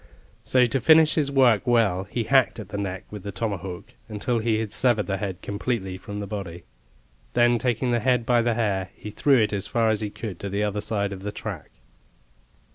So to finish his work well, he hacked at the neck with the tomahawk until he had severed the head completely from the body; then taking the head by the hair, he threw it as far as he could to the other side of the track.